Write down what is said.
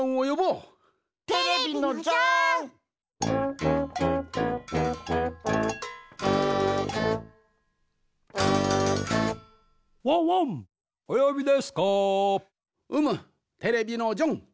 うむテレビのジョン。